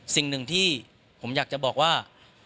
สิ่งหนึ่งที่ผมอยากจะบอกว่า